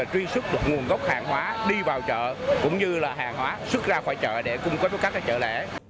truy xuất được nguồn gốc hàng hóa đi vào chợ cũng như là hàng hóa xuất ra khỏi chợ để cung cấp cho các chợ lẻ